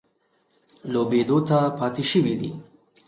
لوبېدو پاتې شوي دي.